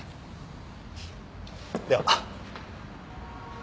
では。